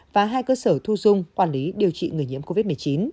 và hai cơ sở thu dung quản lý điều trị người nhiễm covid một mươi chín